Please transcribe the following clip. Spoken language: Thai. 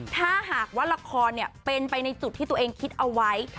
ถ้าหากว่าละครเป็นไปในจุดที่ตัวเองคิดเอาไว้